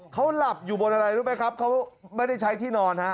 เขาหลับอยู่บนอะไรรู้ไหมครับเขาไม่ได้ใช้ที่นอนฮะ